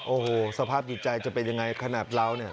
โอ้โหสภาพจิตใจจะเป็นยังไงขนาดเราเนี่ย